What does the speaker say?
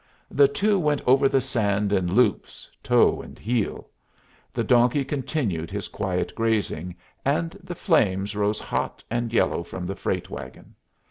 The two went over the sand in loops, toe and heel; the donkey continued his quiet grazing, and the flames rose hot and yellow from the freight wagon.